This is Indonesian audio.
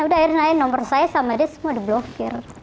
udah akhirnya nomor saya sama dia semua di blokir